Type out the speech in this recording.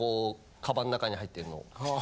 カバンの中に入ってるのを。